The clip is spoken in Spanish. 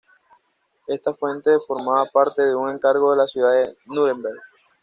Esta fuente formaba parte de un encargo de la ciudad de Núremberg.